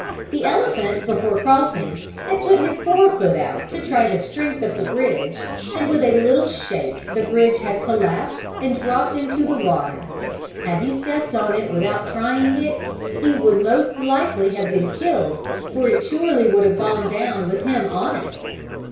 The elephant, before crossing, had put his forefoot out to try the strength of the bridge and with a little shake the bridge had collapsed and dropped into the water. Had he stepped on it without trying it, he would most likely have been killed for it surely would have gone down with him on it.